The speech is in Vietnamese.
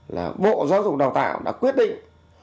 là bộ giáo dục đào tạo đã quyết định